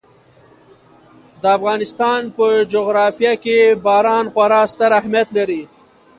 د افغانستان په جغرافیه کې باران خورا ستر اهمیت لري.